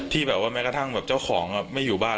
ที่แบบว่าแม้กระทั่งแบบเจ้าของไม่อยู่บ้าน